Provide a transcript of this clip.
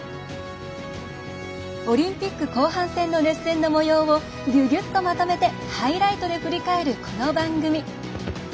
オリンピック後半戦の熱戦のもようをぎゅぎゅっとまとめてハイライトで振り返る、この番組。